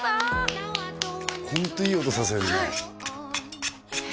ホントいい音させるねはいえ